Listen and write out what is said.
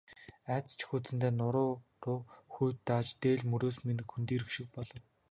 Айдас жихүүдсэндээ нуруу руу хүйт дааж, дээл мөрөөс минь хөндийрөх шиг болов.